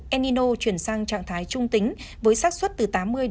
enino chuyển sang trạng thái trung tính với sát xuất từ tám mươi tám mươi năm